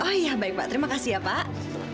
oh ya baik pak terima kasih ya pak